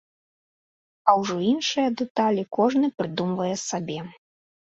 А ўжо іншыя дэталі кожны прыдумвае сабе.